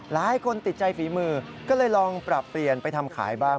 หลายคนติดใจฝีมือก็เลยลองปรับเปลี่ยนไปทำขายบ้าง